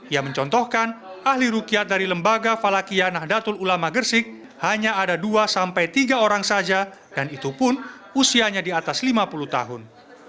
ia mencontohkan ahli rukiat dari lembaga falakiyanah datul ulama gersik hanya ada dua tiga orang saja dan itupun usianya di atas lima puluh tahun